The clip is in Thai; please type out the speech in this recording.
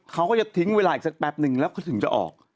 เขาก็จะทิ้งเวลาอีกสักแป๊บนึงแล้วเขาถึงจะออก